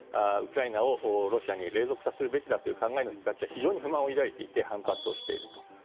ウクライナをロシアに隷属させるべきだという考えの人たちは非常に不満を抱いていて反発をしていると。